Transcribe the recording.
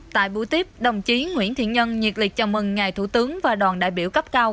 tại buổi tiếp đồng chí nguyễn thiện nhân nhiệt lịch chào mừng ngài thủ tướng và đoàn đại biểu cấp cao